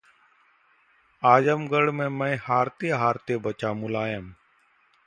आजमगढ़ में मैं हारते-हारते बचा: मुलायम